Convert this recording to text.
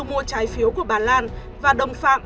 mua trái phiếu của bà lan và đồng phạm